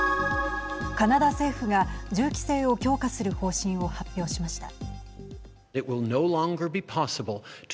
カナダ政府が銃規制を強化する方針を発表しました。